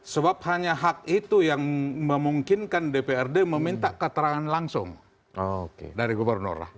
sebab hanya hak itu yang memungkinkan dprd meminta keterangan langsung dari gubernur